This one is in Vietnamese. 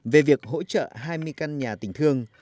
về việc hỗ trợ hai mươi căn nhà tình thương